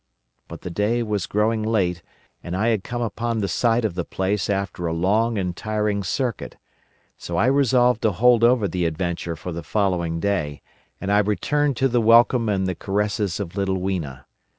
But the day was growing late, and I had come upon the sight of the place after a long and tiring circuit; so I resolved to hold over the adventure for the following day, and I returned to the welcome and the caresses of little Weena.